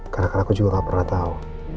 karena aku juga gak pernah tau